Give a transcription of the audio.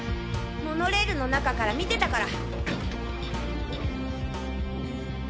モノレールの中から見てたから。